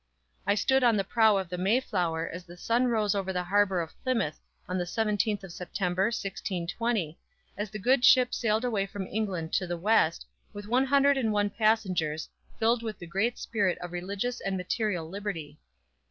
I stood on the prow of the Mayflower as the sun rose over the harbor of Plymouth on the 17th of September, 1620, as the good ship sailed away from England to the west, with one hundred and one passengers, filled with the great spirit of religious and material liberty.